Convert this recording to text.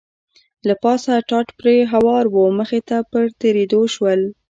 له پاسه ټاټ پرې هوار و، مخې ته په تېرېدو شول.